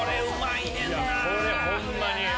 いやこれホンマに。